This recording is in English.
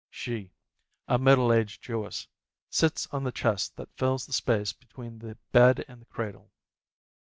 She, a middle aged Jewess, sits on the chest that fills the space between the bed and the cradle.